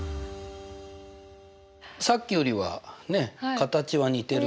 さっきよりは形は似てるけど。